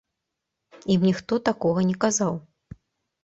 Ім ніхто такога не казаў.